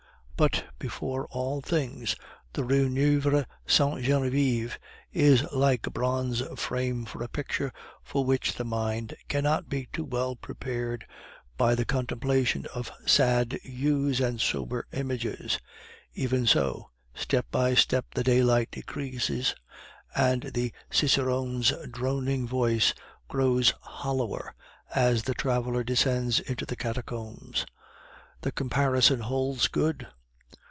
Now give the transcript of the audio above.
But, before all things, the Rue Nueve Sainte Genevieve is like a bronze frame for a picture for which the mind cannot be too well prepared by the contemplation of sad hues and sober images. Even so, step by step the daylight decreases, and the cicerone's droning voice grows hollower as the traveler descends into the Catacombs. The comparison holds good!